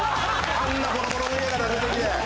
あんなボロボロの家から出てきて。